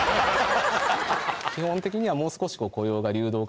基本的にはもう少し。